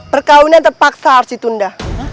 perkawinan terpaksa harus ditunda